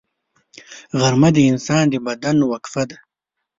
غرمه د انسان د بدن وقفه ده